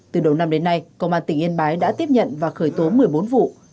từ đầu năm đến nay công an tỉnh yên bái đã tiếp nhận và khởi tố một mươi bốn vụ